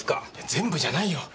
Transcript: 全部じゃないよ。